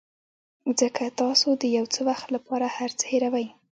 ځکه تاسو د یو څه وخت لپاره هر څه هیروئ.